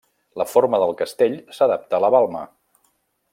La forma del castell s'adapta a la balma.